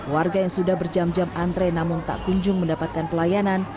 warga yang sudah berjam jam antre namun tak kunjung mendapatkan pelayanan